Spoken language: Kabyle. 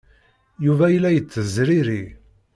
Yuba yella yettezriri.